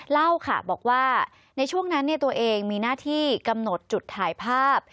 เล่าค่ะบอกว่าในช่วงนั้นตัวเองมีหน้าที่กำหนดจุดถ่ายภาพ